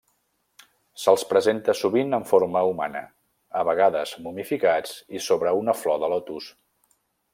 Se'ls representa sovint amb forma humana, a vegades momificats i sobre una flor de lotus.